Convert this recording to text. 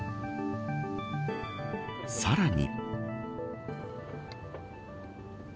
さらに。